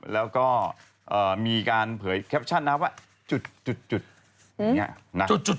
แล้วก็มีการเผยแคปชั่นว่าจุด